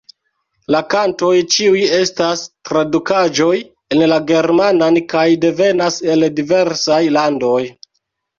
La kantoj ĉiuj estas tradukaĵoj en la germanan kaj devenas el diversaj landoj.